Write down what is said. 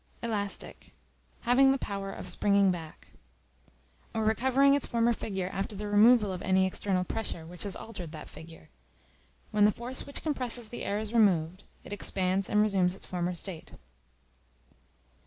Elastic, having the power of springing back, or recovering its former figure after the removal of any external pressure which has altered that figure. When the force which compresses the air is removed, it expands and resumes its former state.